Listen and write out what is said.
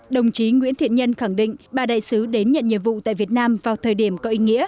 đồng chí nguyễn thiện nhân khẳng định bà đại sứ đến nhận nhiệm vụ tại việt nam vào thời điểm có ý nghĩa